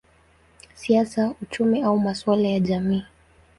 siasa, uchumi au masuala ya jamii.